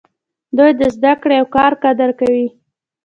دوی د زده کړې او کار قدر کوي.